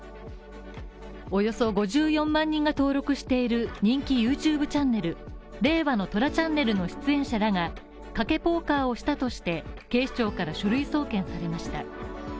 およそ５４万人が登録している人気ＹｏｕＴｕｂｅチャンネル、「令和の虎ＣＨＡＮＮＥＬ」の出演者らが賭けポーカーをしたとして、警視庁から書類送検されました。